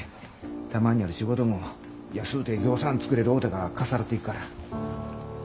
たまにある仕事も安うてぎょうさん作れる大手がかっさらっていくから。